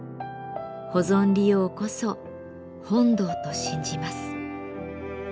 保存利用こそ本道と信じます」。